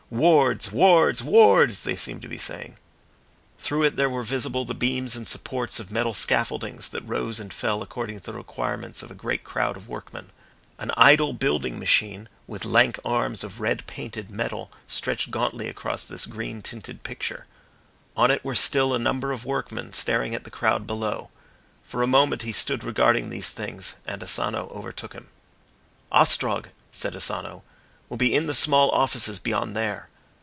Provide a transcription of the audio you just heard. "Wards! Wards! Wards!" they seemed to be saying. Through it there were visible the beams and supports of metal scaffoldings that rose and fell according to the requirements of a great crowd of workmen. An idle building machine, with lank arms of red painted metal stretched gauntly across this green tinted picture. On it were still a number of workmen staring at the crowd below. For a moment he stood regarding these things, and Asano overtook him. "Ostrog," said Asano, "will be in the small offices beyond there."